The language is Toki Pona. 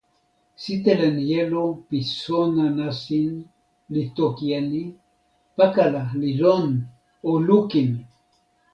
sitelen jelo pi sona nasin li toki e ni: pakala li lon, o lukin!